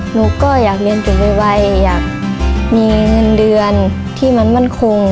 หนูก็อยากเรียนจบไวอยากมีเงินเดือนที่มันมั่นคง